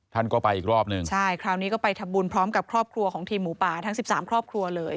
ท่านก็ไปอีกรอบหนึ่งใช่คราวนี้ก็ไปทำบุญพร้อมกับครอบครัวของทีมหมูป่าทั้งสิบสามครอบครัวเลย